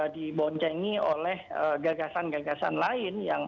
diboncengi oleh gagasan gagasan lain